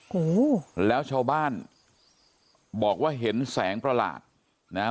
โอ้โหแล้วชาวบ้านบอกว่าเห็นแสงประหลาดนะฮะ